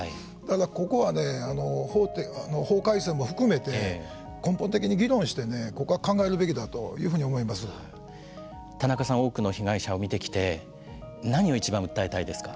ここはね、法改正も含めて根本的に議論してここは考えるべきだというふうに田中さん、多くの被害者を見てきて何をいちばん訴えたいですか。